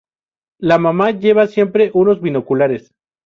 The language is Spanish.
La mamá lleva siempre unos binoculares.